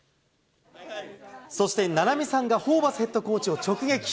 そして、菜波さんがホーバスヘッドコーチを直撃。